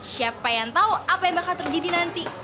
siapa yang tahu apa yang bakal terjadi nanti